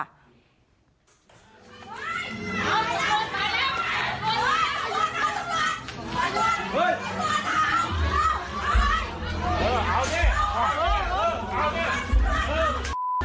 หมู